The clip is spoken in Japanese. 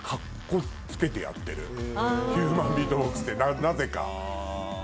ヒューマンビートボックスってなぜか。